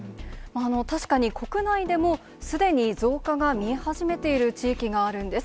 確かに、国内でもすでに増加が見え始めている地域があるんです。